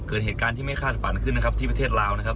เกิดเหตุการณ์ที่ไม่คาดฝันขึ้นนะครับที่ประเทศลาวนะครับ